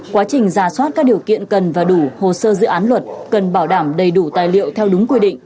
quá trình giả soát các điều kiện cần và đủ hồ sơ dự án luật cần bảo đảm đầy đủ tài liệu theo đúng quy định